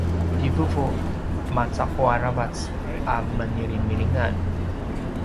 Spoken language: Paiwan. ti vuvu macaqu aravac a menilimilingan